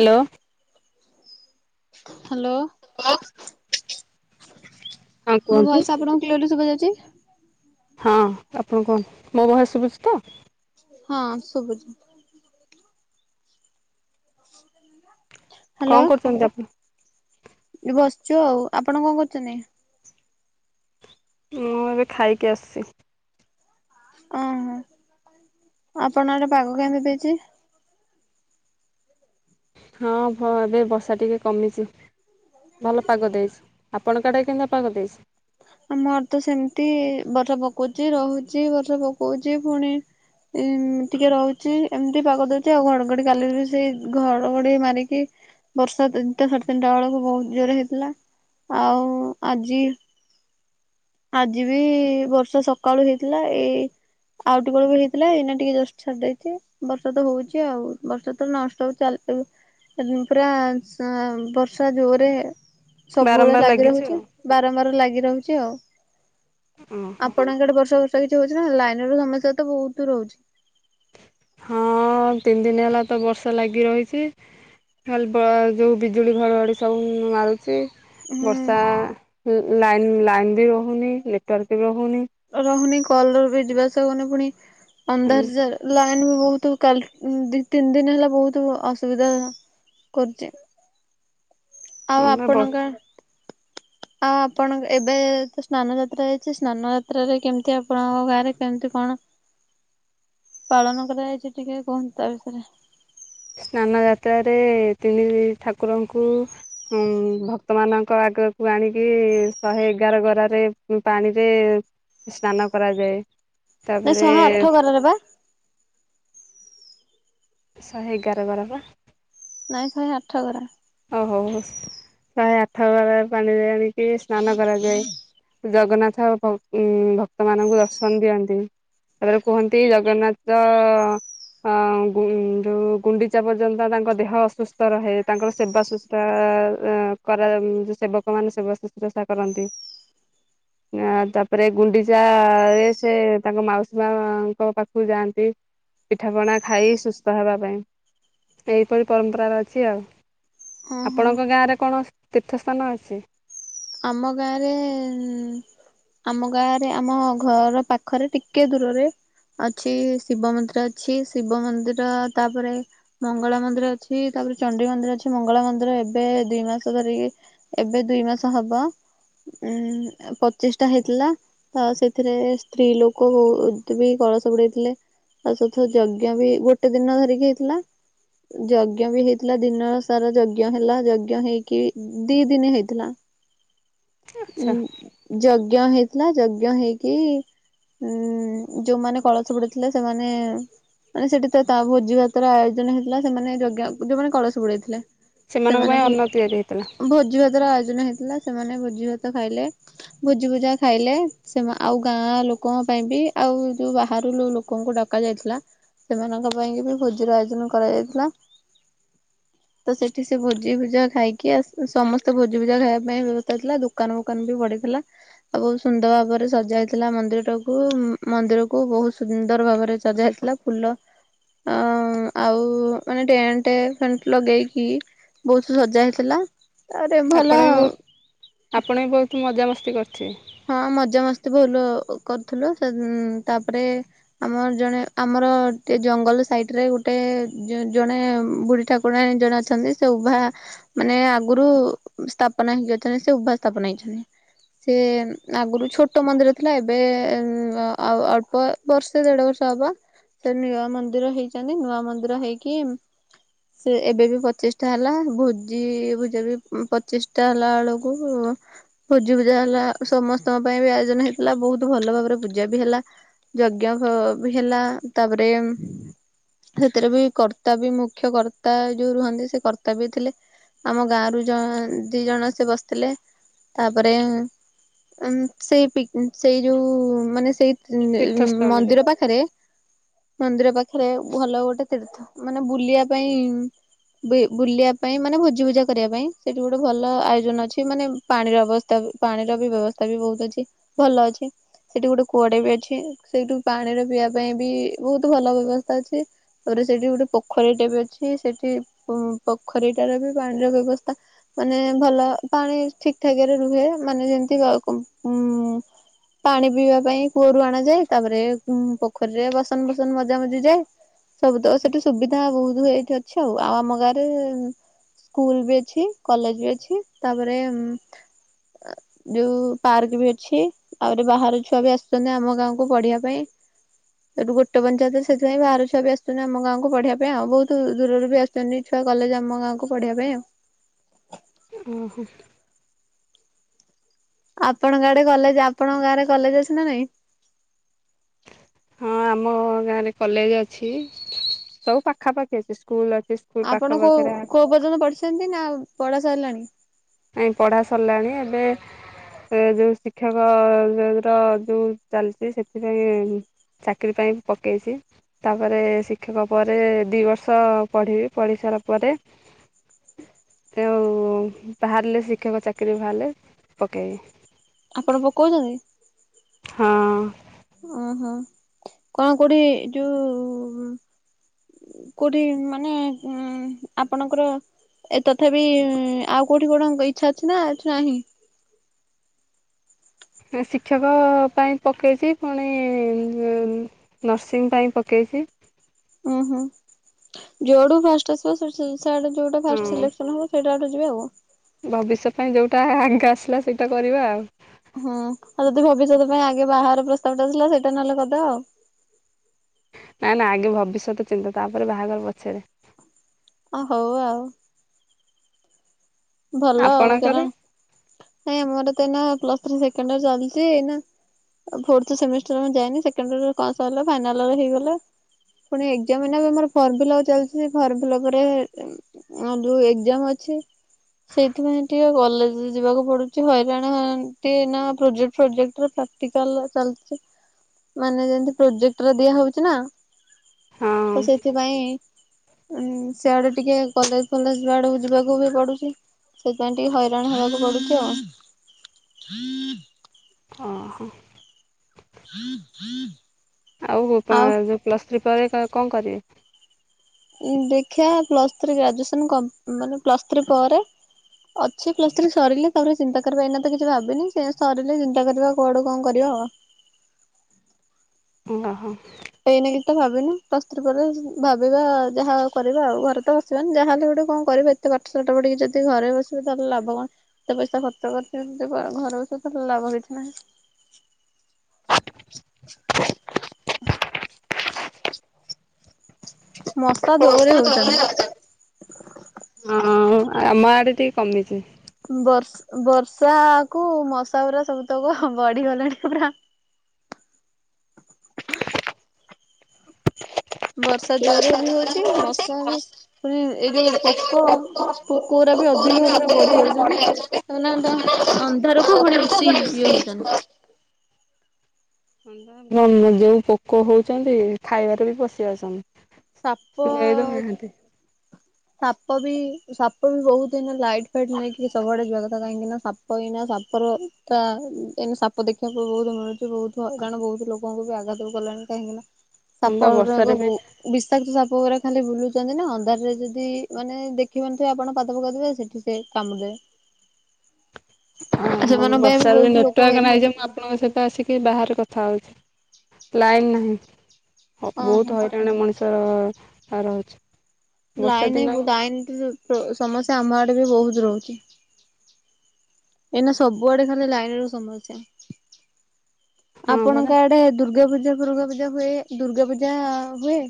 Hello. Hello. [unintelligible] ମୋ ହଁ voice ଆପଣଙ୍କୁ କ୍ଲିୟରର୍ଲି ଶୁଭା ଯାଉଚି? ହଁ। ଆପଣ କୁହନ୍ତୁ। ମୋ ଭଏସ୍ ଶୁଭୁଚି ତ? ହଁ ଶୁବୁଚି। କଣ କରୁଚନ୍ତି ଆପଣ? ଏଇ ବସିଚୁ ଆଉ। ଆପଣ କଣ କରୁଚନ୍ତି? ମୁଁ ଏବେ ଖାଇକି ଆସଚି। ଓହୋ। ଆପଣଙ୍କ ଆଡେ ପାଗ କେମିତି ଦେଇଚି? ହଁ ଭ ଏବେ ବର୍ଷା ଟିକେ କମିଚି। ଭଲ ପାଗ ଦେଇଚି। ଆପଣଙ୍କ ଆଡ଼େ କେନ୍ତିଆ ପାଗ ଦେଇଚି? ଆମ ଆଡେ ତ ସେମତି। ବର୍ଷା ପକଉଚି ରହୁଚି ବର୍ଷା ପକଉଚି ଫୁଣି ଇ ଟିକେ ରହୁଚି ଏମ୍ତି ପାଗ ଦଉଚି ଆଉ। ଘଡଘଡି କାଲିର ସେଇ ଘଡଘଡି ମାରିକି ବର୍ଷା ତିନିଟା ସାଢେ ତିନିଟା ବେଳକୁ ବହୁତ ଜୋରେ ହେଇଥିଲା। ଆଉ ଆଜି ଆଜି ବି ବର୍ଷା ସକାଳୁ ହେଇଥିଲା। ଏଇ ଆଉ ଟିକେ ବେଳ କୁ ହେଇଥିଲା। ଏଇନା ଟିକେ ଜଷ୍ଟ ଛାଡିଯାଇଚି। ବର୍ଷା ତ ହଉଚି ଆଉ। ବର୍ଷା ତ ନନଷ୍ଟପ୍ [unintelligible] ପୁରା ସ ବର୍ଷା ଜୋରେ ସବୁବେଳେ ବାରମ୍ବାର ଲାଗି ଲାଗିଛି ରହୁଚି। ଆଉ। ବାରମ୍ବାର ଲାଗି ରହୁଚି ଆଉ। ହଁ ଆପଣଙ୍କ ଆଡେ ବର୍ଷା ଫର୍ଷା କିଛି ହଉଚି ନା, ଲାଇନି ର ସମସ୍ୟା ତ ବହୁତୁ ରହୁଚି। ହଁ ତିନି ଦିନି ହେଲା ତ ବର୍ଷା ଲାଗି ରହିଚି। ଖାଲ୍ ବ ଯୋଉ ବିଜୁଳି ଘଡଘଡି ସବୁ ମାରୁଚି। ବର୍ଷା ହୁଁ ଲାଇନ୍ ଲାଇନ୍ ବି ରହୁନି, ନେଟୱାର୍କ ବି ରହୁନି। ରହୁନି କଲ୍ ର ବି ଯିବାଆସିଆ ହଉନି। ଫୁଣି, ଅନ୍ଧାର ଯା ଲା ଲାଇନ୍ ବି ବହୁତୁ କାଲ୍ ତିନି ଦିନ ହେଲା ବହୁତୁ ଅସୁବିଧା କରୁଚି। ଆଉ ହଁ ବା ଆପଣଙ୍କ ଗାଁ ଆଉ ଆପଣଙ୍କ ଏବେ ତ ସ୍ନାନ ଯାତ୍ରା ଯାଇଚି, ସ୍ନାନ ଯାତ୍ରାରେ କେମିତି ଆପଣଙ୍କ ଗାଁରେ କେମିତି କଣ ପାଳନ କରାଯାଇଚି ଟିକେ କୁହନ୍ତୁ ତା ବିଷୟରେ? ସ୍ନାନଯାତ୍ରାରେ ତିନି ଠାକୁରଙ୍କୁ ଉଁ ଭକ୍ତ ମାନଙ୍କ ଆଗ କୁ ଆଣିକି ଶହେ ଏଗାର ଗରାରେ ପାଣିରେ ସ୍ନାନ କରାଯାଏ। ନାଇ ତାପରେ ଶହେ ଆଠ ଗରାରେ ପା। ଶହେ ଏଗାର ଗରା ପା। ନାଇଁ ଶହେ ଆଠ ଗରା। ଓ ହଉ ହଉ। ଶହେ ଆଠ ଗରା ପାଣିରେ ଆଣିକି ସ୍ନାନ କରାଯାଏ। ଜଗନ୍ନାଥ ଭ ଭକ୍ତ ମାନଙ୍କୁ ଦର୍ଶନ ଦିଅନ୍ତି। ତାପରେ କୁହନ୍ତି ଜଗନ୍ନାଥ ହଁ ଗୁ ଯୋଉ ଗୁଣ୍ଡିଚା ପର୍ଯ୍ୟନ୍ତ ତାଙ୍କ ଦେହ ଅସୁସ୍ଥ ରହେ। ତାଙ୍କର ସେବା ଶୁଶୁରା ଏ କରା ସେବକ ମାନେ ସେବା ଶୁଶ୍ରୂଷା କରନ୍ତି। ଆ ତାପରେ ଗୁଣ୍ଡିଚା ରେ ସେ ତାଙ୍କ ମାଉସୀ ମାଙ୍କ ପାଖକୁ ଯାଆନ୍ତି। ପିଠାପଣା ଖାଇ ସୁସ୍ଥ ହେବା ପାଇଁ, ଏଇପରି ପରମ୍ପରା ରହିଚି ଆଉ। ହଁ ହଁ ଆପଣଙ୍କ ଗାଁରେ କଣ ତୀର୍ଥସ୍ଥାନ ଅଛି? ଆମ ଗାଁରେ ଉଁ ଆମ ଗାଁ ରେ ଆମ ଘର ପାଖରେ ଟିକେ ଦୂରରେ ଅଛି ଶିବ ମନ୍ଦିର ଅଛି। ଶିବ ମନ୍ଦିର ତାପରେ ମଙ୍ଗଳା ମନ୍ଦିର ଅଛି ତାପରେ ଚଣ୍ଡୀ ମନ୍ଦିର ଅଛି ମଙ୍ଗଳା ମନ୍ଦିର ଏବେ ଦି ମାସ ଧରିକି ଏବେ ଦୁଇ ମାସ ହବ ଉ ପତିଷ୍ଟା ହେଇଥିଲା। ତ ସେଥିରେ ସ୍ତ୍ରୀ ଲୋକ ବହୁ ଏମିତି ବି କଳସ ବୁଡେଇଥିଲେ। ତା ସହି ଯଜ୍ଞ ବି ଗୋଟେ ଦିନ ଧରିକି ହେଇଥିଲା। ଯଜ୍ଞ ବି ହେଇଥିଲା ଦିନର ସାରା ଯଜ୍ଞ ହେଲା ଯଜ୍ଞ ହେଇକି ଦି ଦିନ ହେଇଥିଲା। ଉ ଆଚ୍ଛା ଯଜ୍ଞ ହେଇଥିଲା ଯଜ୍ଞ ହେଇକି ଉଁ ଯୋଉମାନେ କଳସ ବୁଡେଇଥିଲା ସେମାନେ ମାନେ ସେଠି ତ ତା ଭୋଜି ଭାତର ଆୟୋଜନ ହେଇଥିଲା ସେମାନେ ଯଜ୍ଞ ଯୋଉମାନେ କଳସ ବୁଡେଇଥିଲେ। ସେମାନଙ୍କ ସେମାନେ ପାଇଁ ଭୋ ଅନ୍ନ ତିଆରି ହେଇଥିଲା। ଭୋଜି ଭାତ ର ଆୟୋଜନ ହେଇଥିଲା। ସେମାନେ ଭୋଜି ଭାତ ଖାଇଲେ। ଭୋଜି ଭୁଜା ଖାଇଲେ। ସେମା ଆଉ ଗାଁ ଲୋକଙ୍କ ପାଇଁ ବି ଆଉ ଯୋଉ ବାହାରୁ ଲୋକଙ୍କୁ ଡକା ଯାଇଥିଲା ସେମାନଙ୍କ ପାଇଁକି ବି ଭୋଜିର ଆୟୋଜନ କରାଯାଇଥିଲା। ତ ସେଠି ସେ ଭୋଜି ଭୁଜା ଖାଇକି ଆ ସମସ୍ତେ ଭୋଜି ଭୁଜା ଖାଇବାକୁ ପାଇଁ ବ୍ୟବସ୍ଥା ଥିଲା। ଦୋକାନ ଫୋକାନ ବି ପଡିଥିଲା। ଆଉ ସୁନ୍ଦର ଭାବରେ ସଜା ହେଇଥିଲା ମନ୍ଦିରକୁ। ମନ୍ଦିର କୁ ବହୁତ ସୁନ୍ଦର ଭାବରେ ସଜା ହେଇଥିଲା। ଫୁଲ ଅ ଆଉ ମାନେ ଟେଣ୍ଟ ଫେଣ୍ଟ ଲଗେଇକି ବହୁତ ସଜା ହେଇଥିଲା। ତାପରେ ଭଲ ଆପଣ ବି ଆଉ ବହୁତ ଆପଣ ବି ବହୁତ ମଜାମସ୍ତି କରିିଥିବେ? ହଁ ମଜା ମସ୍ତି ଭୁଲ କରୁଥିଲୁ ସେଦି ତାପରେ। ଆମର ଜଣେ ଆମର ଟ ଜଙ୍ଗଲ ସାଇଟରେ ଗୋଟେ ଜଣେ ବୁଢୀ ଠାକୁ ରାଣି ଜଣେ ଅଛନ୍ତି ସେ ଉଭା ମାନେ ଆଗରୁ ସ୍ଥାପନ ହେଇକି ଅଛନ୍ତି। ସେ ଉଭା ସ୍ଥାପନା ହେଇଚନ୍ତି ସେ ଆଗରୁ ଛୋଟ ମନ୍ଦିର ଥିଲା। ଏବେ ଆଉ ଅଳ୍ପ ବର୍ଷେ ଦେଢ ବର୍ଷ ହବ ସେ ନୂଆ ମନ୍ଦିର ହେଇଚନ୍ତି ନୂଆ ମନ୍ଦିର ହେଇକି ସେ ଏବେ ବି ପଚିଶଟା ହେଲା। ଭୋଜି ଭୁଜା ବି ପଚିଶଟା ହେଲା ବେଳକୁ ଭୋଜି ଭୁଜା ହେଲା। ସମସ୍ତଙ୍କ ପାଇଁ ବି ଆୟୋଜନ ହେଇଥିଲା ବହୁତ ଭଲ ଭାବରେ ପୂଜା ବି ହେଲା। ଯଜ୍ଞ ଫ ବି ହେଲା ତାପରେ ସେଥିରେ ବି କର୍ତ୍ତା ବି ମୁଖ୍ୟ କର୍ତ୍ତା ଯୋଉ ରୁହନ୍ତି ସେ କର୍ତ୍ତା ବି ଥିଲେ। ଆମ ଗାଁ ରୁ ଜ ଦି ଜଣକ ସେ ବସିଥିଲେ ତାପରେ ଉ ସେଇ ପିକ୍ ସେଇ ଯୋଉ ମାନେ ସେଇ ଉ ଉ ତୀର୍ଥସ୍ଥଳୀରେ ମନ୍ଦିର ପାଖରେ ମନ୍ଦିର ପାଖରେ ଭଲ ଗୋଟେ ତୀର୍ଥ ମାନେ ବୁଲିବା ପାଇଁ ବି ବୁଲିବା ପାଇଁ ମାନେ ଭୋଜି ଭୁଜା କରିବା ପାଇଁ ସେଇଠି ଗୋଟେ ଭଲ ଆୟୋଜନ ଅଛି ମାନେ ପାଣିର ବସ୍ଥା ପାଣିର ବି ବ୍ୟବସ୍ଥା ବି ବହୁତ ଅଛି ଭଲ ଅଛି। ସେଠି ଗୋଟେ କୁଅ ଟେ ବି ଅଛି। ସେଇଠୁ ପାଣିର ପିଇବା ପାଇଁ ବି ବହୁତ ଭଲ ବ୍ୟବସ୍ଥା ଅଛି। ତାପରେ ସେଠି ଗୋଟେ ପୋଖରୀଟା ବି ଅଛି। ସେଠି ପ- ପ ପୋଖରୀଟାର ବି ପାଣିର ବ୍ୟବସ୍ଥା ମାନେ ଭଲ ପାଣି ଠିକଠାକରେ ରୁହେ ମାନେ ଯେମିତି କ ଉ ପାଣି ପିଇବା ପାଇଁ କୂଅରୁ ଆଣ ଯାଏ ତାପରେ ପୋଖରୀରେ ବସନ ଫସନ ମଜା ମଜି ଯାଏ। ସବୁ ତ ସେଠି ଆଛା ସୁବିଧା ବହୁତ ହଇଯଇିବ। ଅଛି ଆଉ ଆଉ ଆମ ଗାଁରେ ସ୍କୁଲ ବି ଅଛି କଲେଜ ବି ଅଛି ତାପରେ ଯୋଉ ପାର୍କ ବି ଅଛି ଆହୁରି ବାହାର ଛୁଆ ବି ଆସୁଛନ୍ତି ଆମ ଗାଁକୁ ପଢିବା ପାଇଁ। ସେଠୁ ଗୋଟେ ପଞ୍ଚାୟତରେ ସେଥିପାଇଁ ବାହାର ଛୁଆ ଆସୁଛନ୍ତି ଆମ ଗାଁକୁ ପଢିବା ପାଇଁ ଆଉ ବହୁତ ଦୂରରୁ ବି ଆସୁ ଆସୁଛନ୍ତି ଛୁଆ କଲେଜ ଆମ ଗାଁକୁ ପଢିବା ପାଇଁ ଆଉ ଓହୋ। ଆପଣଙ୍କ ଆଡେ କଲେଜ ଆପଣଙ୍କ ଗାଁରେ କଲେଜ ଅଛି ନା ନାଇଁ? ହଁ ଆମ ଗାଁରେ କଲେଜ ଅଛି ସବୁ ପାଖାପାଖି ଅଛି ସ୍କୁଲ ଅଛି। ସ୍କୁଲ ପାଖ ଆପଣ କୋଉ ପାଖରେ କୋଉ ପର୍ଯ୍ୟନ୍ତ ପଢିଛନ୍ତି ନା ପଢା ସରିଲାଣି? ନାଇ ପଢ଼ା ସରିଲାଣି ଏବେ ସେ ଯୋଉ ଶିକ୍ଷକ ର ଯୋଉ ଚାଲିଛି ସେଥିପାଇଁ ଚାକିରି ପାଇଁ ପକେଇଛି। ତାପରେ ଶିକ୍ଷକ ପରେ ଦୁଇ ବର୍ଷ ପଢ଼ିବି ପଢ଼ି ସାରିଲା ପରେ ଆଉ ବାହାରିଲେ ଶିକ୍ଷକ ଚାକିରି ବାହାରିଲେ ପକେଇବି। ଆପଣ ପକଉଛନ୍ତି ହଁ ଓହୋ। କଣ କୋଉଠି ଯୋଉ କୋଉଠି ମାନେ ଉ ଆପଣଙ୍କର ଏ ତଥାପି ଆଉ କୋଉଠି କଣ ଇଚ୍ଛା ଅଛି ନା ନାହିଁ? ଶିକ୍ଷକ ପାଇଁ ପକେଇଛି ପୁଣି ନର୍ସିଂ ପାଇଁ ପକେଇଛି। ଉୁଁ ହୁଁ ଯୋଉଠୁ ଫାଷ୍ଟ ଆସିବ ଯୋଉଟା ଫାଷ୍ଟ ସିଲେକ୍ସନ ହବ ସୋ ଆଡୁ ଯିବେ ଆଉ ଭବିଷ୍ୟ ପାଇଁ ଯୋଉଟା ଆଗ ଆସିଲା ସେଇଟା କରିବା ଆଉ ହୁଁ ଆଉ ଯଦି ଭବିଷ୍ୟତ ପାଇଁ ଆଗେ ବାହାର ପ୍ରସ୍ତାବ ଟା ଥିଲା ସେଇଟା ନହେଲେ କରିଦେ ଆଉ ନା ନା ଆଗେ ଭବିଷ୍ୟତ ଚିନ୍ତା ତାପରେ ବାହାଘର ପଛେ। ହଁ ହଉ ଆଉ ଭଲ ଆଉ ଆପଣଙ୍କର କାରଣ ନାଇ ଆମର ତ ଏଇ ପ୍ଲସ ଥ୍ରୀ ସେକେଣ୍ଡ ୟର ଚାଲିଛି ଏଇ ଫୋଥ ସେମିଷ୍ଟର ଆମ ଯାଇନି ସେକେଣ୍ଡ୍ ଇଅର ସଇଲା ଫାଇନାଲ ହେଇଗଲା। ପୁଣି ଏକ୍ସାମ ଆମର ଫର୍ମ ଫିଲଅପ ଚାଲିଛି ଫର୍ମ ଫିଲଅପରେ ଆଁ ଯୋଉ ଏକ୍ଜାମ ଅଛି। ସେଇଥିପାଇଁ ଟିକେ କଲେଜ ଯିବାକୁ ପଡୁଛି ହଇରାଣ ହ ନା ପ୍ରୋଜେକ୍ଟ ଫ୍ରୋଜେକ୍ଟରେ ତ ଏଥିକାଲର ଚାଲିଛି ମାନେ ଯେମତି ପ୍ରଜେକ୍ଟରେ ଦିଆ ହଉଛି ନା? ହଁ ତ ସେଥିପାଇଁ ଉ ସେଆଡେ ଟିକେ କଲେଜ ଫଲେଜ ଆଡକୁ ଯିବାକୁ ବି ପଡୁଛି। ସେଥିପାଇଁ ଟିକେ ହଇରାଣ ହେବାକୁ ପଡୁଛି ଆଉ ହଁ ହଁ। ହୁଁ ହୁଁ ଆଉ ଯୋଉ ପ୍ଲସ୍ ଥ୍ରୀ ପରେ କଣ କରିବେ? ଉଁ ଦେଖିବା ପ୍ଲସ୍ ଥ୍ରୀ ଗ୍ରାଜୁଏସନ୍ କମ ମାନେ ପ୍ଲସ୍ ଥ୍ରୀ ପରେ ଅଛି ପ୍ଲସଥ୍ରୀ ସରିଲେ ତାପରେ ଚିନ୍ତା କରିବା ଏଇନା ତ କିଛି ଭାବିନି ସେ ସରିଲେ ଚିନ୍ତା କରିବା କୁଆଡୁ କଣ କରିବା ଆଉ ଓହୋ। ଏଇ ନେଇକି ତ ଭାବିନି ପ୍ଲସଥ୍ରୀ ପରେ ଭାବିବା ଯାହା କରିବା ଆଉ ଘରେ ତ ବସିବାନି ଯାହାହଲେ ଗୋଟେ କଣ କରିବି। ଏତେ ପାଠ ସାଠ ପଢିକି ଯଦି ଘରେ ବସିବା ତାହଲେ ଲାଭ କଣ? ସେ ପଇସା ଖର୍ଚ୍ଚ କରିଛି ଘରକୁ ସ ତା ଲାଭ କିଛି ନାହିଁ। ମଶା ହ ଜୋରେ ଚା ହଉଚନ୍ତି। [inaudible] ହଁ ଆମ ଆଡେ ଟିକେ କମିଛି। ବର୍ଷ ବର୍ଷା କୁ ମଶା ଗୁରା ସବୁତକ ବଢିଗଲେଣି ପୁରା ବର୍ଷା ଯୋଉ ଜୋରରେ ବି ହଉଛି ମଶା ବି ପୁଣି ଏଇ ଯୋଉ ପୋକ କ କଉରା ବି ଅଧିକ ପୁରା ବଢିଯାଉଛି। ସେମାନେ [inaudible] ଅନ୍ଧାରକୁ ପୁଣି ବେଶୀ ଇଏ ହଉଛନ୍ତି। କ [inaudible] ଏ ଯୋଉ ପୋକ ହଉଛନ୍ତି ଖାଇବାରେ ବି ପଶି ଯାଉଛନ୍ତି। ସାପ ସୁଆଇ ଦଉନାହାନ୍ତି ଅ ସାପ ବି ସାପ ବି ବହୁତ ଏଇନା ଲାଇଟ୍ ଫାଇଟ୍ ନେଇକିରି ସବୁଆଡେ ଯିବା କଥା କାହିଁକି ନା ସାପ ସାପ ଏଇନା ସାପର ତା ଏଇନେ ସାପ ଦେଖିବାକୁ ବହୁତ ମିଳୁଛି ବହୁତ ହଇରାଣ ବହୁତ ଲୋକ ବହୁ ବି ଆଘାତ କଲାଣି କାହିଁକି ନା ହଁ ବା ବର୍ଷାରେ ସାପଗୁରାକ ବି ବଉ ବିଷାକ୍ତ ସାପ ଗୁରା ଖାଲି ବୁଲୁଛନ୍ତି ନା ଅନ୍ଧାରରେ ଯଦି ମାନେ ଦେଖି ପାରୁଥିନବେ ଆପଣ ପାଦ ପକାଉଥିବେ ସେଠି ସେ କାମୁଡ଼ି ଦେବେ। ଓହୋ ବର୍ଷାରେ ବି ଲୋକ ନେଟୱାର୍କ ହଇରାଣ ନାହିଁ ଯେ ମୁଁ ଆପଣଙ୍କ ସହିତ ଆସି ବାହାରେ କଥା ହଉଛି ଲାଇନ ନାହିଁ ଓହୋ ବହୁତ ହଇରାଣରେ ମଣିଷ ସ ରହୁଛି। ବର୍ଷା ଲାଇନ ଦିନ ବୁ ଲାଇନ ସମସ୍ୟା ଆମଆଡେ ବି ବହୁତ ରହୁଛି। ଏଇନା ସବୁଆଡେ ଖାଲି ଲାଇନ ର ସମସ୍ୟା। ହଁ ପରା ଆପଣଙ୍କ ଆଡେ ଦୁର୍ଗା ପୂଜା ଫୁର୍ଗା ପୂଜା ହୁଏ ଦୁର୍ଗା ପୂଜା ହୁଏ?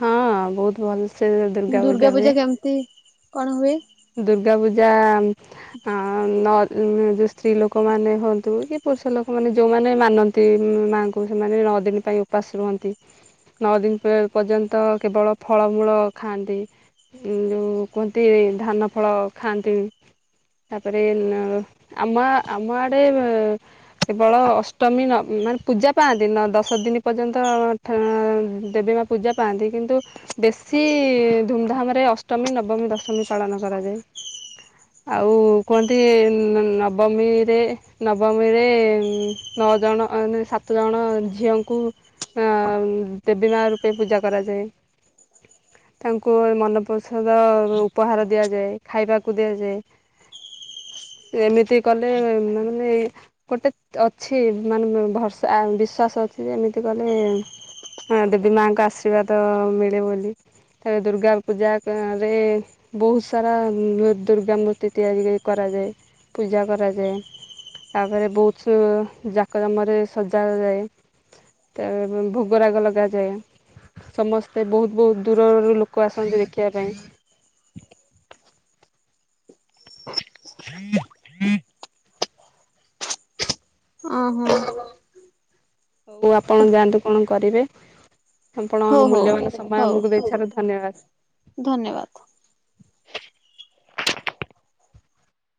ହଁ, ବହୁତ ଭଲସେ ଦୁର୍ଗା ପୂଜା କେମିତି କଣ ହୁଏ? ଦୁର୍ଗାପୂଜା ହଁ ନ ଯୋଉ ସ୍ତ୍ରୀ ଲୋକମାନେ ହୁଅନ୍ତୁ କି ପୁରୁଷ ଲୋକ ମାନେ ଯୋଉମାନେ ମାନନ୍ତି ତି ମାଙ୍କୁ ସେମାନେ ନଅ ଦିନ ପାଇଁ ଉପାସ୍ ରୁହନ୍ତି। ନଅ ଦିନ ପର୍ଯ୍ୟନ୍ତ କେବଳ ଫଳମୂଳ ଖାଆନ୍ତି। ଯୋଉ କୁହନ୍ତି ଧାନ ଫଳ ଖାଆନ୍ତିନ୍। ତାପରେ ଆମ ଆମ ଆଡେ କେବଳ ଅଷ୍ଟମୀ ନ ମାନେ ପୂଜା ପାଆନ୍ତି ନଅ ଦଶ ଦିନ ପର୍ଯ୍ୟନ୍ତ ଅ ହଁ ଦେବୀ ମା ପୂଜା ପାଆନ୍ତି। କିନ୍ତୁ ବେଶୀ ଧୁମଧାମ୍ ରେ ଅଷ୍ଟମୀ ନବମୀ ଦଶମୀ ପାଳନ କରାଯାଏ। ଆଉ କଣନ୍ତି ନବମୀରେ ନବମୀରେ ନଅ ଜଣ ଆ ନେ ସାତ ଜଣ ଝିଅଙ୍କୁ ଆ ଦେବୀ ମା ରୂପେ ପୂଜା କରାଯାଏ। ତାଙ୍କୁ ଏ ମନପସନ୍ଦ ଉ ଉପହାର ଦିଆଯାଏ, ଖାଇବାକୁ ଦିଆଯାଏ। ଏମିତି କଲେ ମାନେ ଗୋଟେ ଅଛି ମାନେ ଭରସା ବିଶ୍ୱାସ ଅଛି ଯେ ଏମିତି କଲେ ହଁ ଦେବୀ ମାଙ୍କ ଆଶୀର୍ବାଦ ମିଳେ ବୋଲି ତାପରେ ଦୁର୍ଗା ପୂଜାରେ ବହୁତ୍ ସାରା ଦୁର୍ଗା ମୂର୍ତ୍ତି ତିଆରି କରାଯାଏ, ପୂଜା କରାଯାଏ। ତାପରେ ବହୁତ ଯାକଜମକରେ ସଜାଯାଏ। ତା ଏବେ ଭୋଗରାଗ ଲଗାଯାଏ। ସମସ୍ତେ ବହୁତ୍ ବହୁତ୍ ଦୂରରୁ ଲୋକ ଆସନ୍ତି ଦେଖିବା ପାଇଁ। ଓହୋ। ହଉ ଆପଣ ଯାଆନ୍ତୁ କଣ କରିବେ ଆପଣ ହଉ ହଉ ମୂଲ୍ୟବାନ ସମୟ ଆମକୁ ଦେଇଥିବାରୁ ଧନ୍ୟବାଦ। ଧନ୍ୟବାଦ୍।